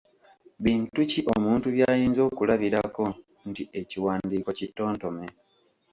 Bintu ki omuntu by’ayinza okulabirako nti ekiwandiiko Kitontome?